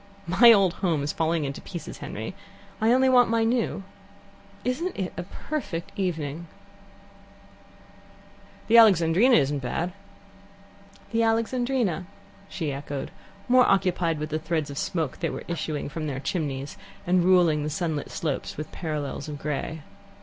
"My old home's falling into pieces, Henry. I only want my new. Isn't it a perfect evening " "The Alexandrina isn't bad " "The Alexandrina," she echoed, more occupied with the threads of smoke that were issuing from their chimneys, and ruling the sunlit slopes with parallels of grey.